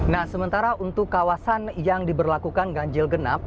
nah sementara untuk kawasan yang diberlakukan ganjil genap